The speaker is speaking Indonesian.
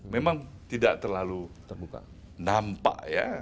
memang tidak terlalu terbuka nampak ya